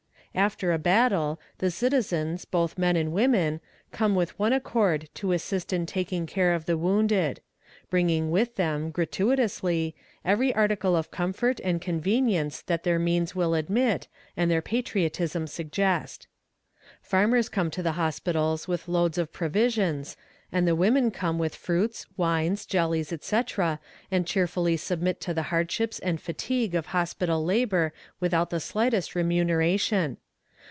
After a battle, the citizens, both men and women, come with one accord to assist in taking care of the wounded; bringing with them, gratuitously, every article of comfort and convenience that their means will admit, and their patriotism suggest. Farmers come to the hospitals with loads of provisions, and the women come with fruits, wines, jellies, etc., and cheerfully submit to the hardships and fatigue of hospital labor without the slightest remuneration.